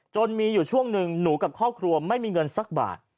จนมีอยู่ช่วงหนึ่งหนูกับครอบครัวไม่มีเงินสักบาท